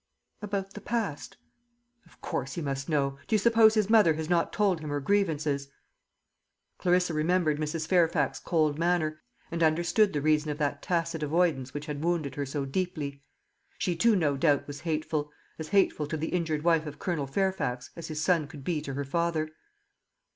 "About the past?" "Of course he must know. Do you suppose his mother has not told him her grievances?" Clarissa remembered Mrs. Fairfax's cold manner, and understood the reason of that tacit avoidance which had wounded her so deeply. She too, no doubt, was hateful; as hateful to the injured wife of Colonel Fairfax as his son could be to her father.